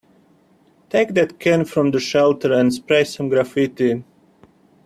Take that can from the shelter and spray some graffiti.